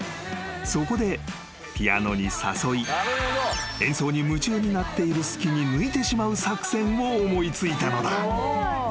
［そこでピアノに誘い演奏に夢中になっている隙に抜いてしまう作戦を思い付いたのだ］